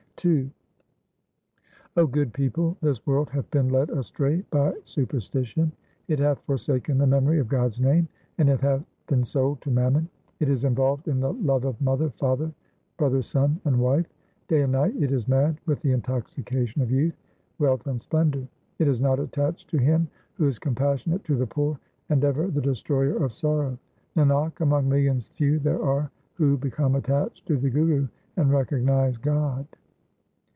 II 0 good people, this world hath been led astray by super stition ; It hath forsaken the memory of God's name, and it hath been sold to mammon. It is involved in the love of mother, father, brother, son, and wife ; Day and night it is mad with the intoxication of youth, wealth, and splendour ; It is not attached to Him who is compassionate to the poor and ever the Destroyer of sorrow. Nanak, among millions few there are who become attached to the Guru and recognize God.